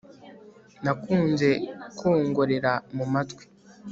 nakunze kwongorera mumatwi